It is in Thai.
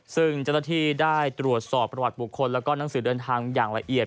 ซึ่งเจ้าหน้าที่ได้ตรวจสอบประวัติบุคคลแล้วก็หนังสือเดินทางอย่างละเอียด